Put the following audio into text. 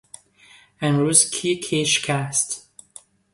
امروز کی کشیک است؟